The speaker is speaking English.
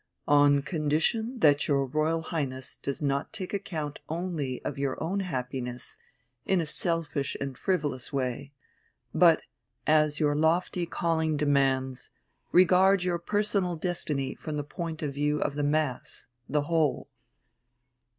"On condition that your Royal Highness does not take account only of your own happiness in a selfish and frivolous way, but, as your lofty calling demands, regards your personal destiny from the point of view of the Mass, the Whole."